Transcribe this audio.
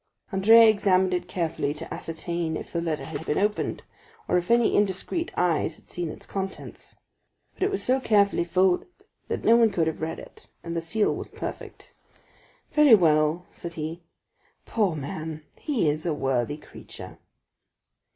'" Andrea examined it carefully, to ascertain if the letter had been opened, or if any indiscreet eyes had seen its contents; but it was so carefully folded, that no one could have read it, and the seal was perfect. "Very well," said he. "Poor man, he is a worthy creature."